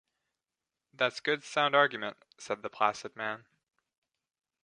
‘That’s good sound argument,’ said the placid man.